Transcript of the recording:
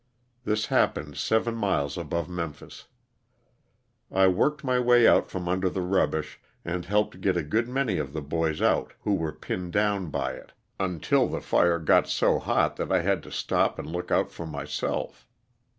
This happened seven miles above Memphis. I worked my way out from under the rubbish, and helped get a good many of the boys out who were pinned down by it, until the fire got so hot that I had to stop and look out for myself.